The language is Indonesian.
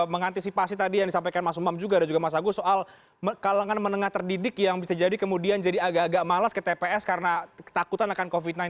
mengantisipasi tadi yang disampaikan mas umam juga dan juga mas agus soal kalangan menengah terdidik yang bisa jadi kemudian jadi agak agak malas ke tps karena ketakutan akan covid sembilan belas